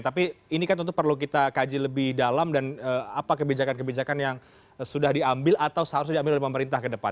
tapi ini kan tentu perlu kita kaji lebih dalam dan apa kebijakan kebijakan yang sudah diambil atau seharusnya diambil oleh pemerintah ke depan